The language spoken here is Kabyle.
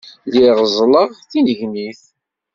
Lliɣ ẓẓleɣ d tinnegnit.